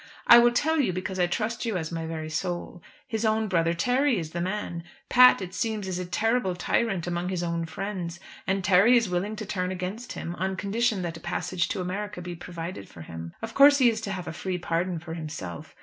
"I will tell you because I trust you as my very soul. His own brother, Terry, is the man. Pat, it seems, is a terrible tyrant among his own friends, and Terry is willing to turn against him, on condition that a passage to America be provided for him. Of course he is to have a free pardon for himself.